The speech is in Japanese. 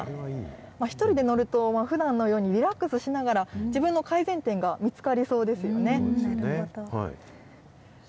１人で乗ると、ふだんのようにリラックスしながら、自分の改善点が見つかりそうですよね。